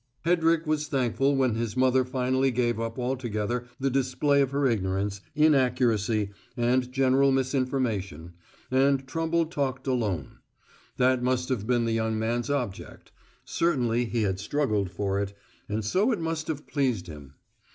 Hedrick was thankful when his mother finally gave up altogether the display of her ignorance, inaccuracy, and general misinformation, and Trumble talked alone. That must have been the young man's object; certainly he had struggled for it; and so it must have pleased him.